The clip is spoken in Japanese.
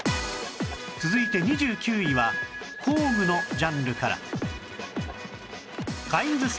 続いて２９位は工具のジャンルから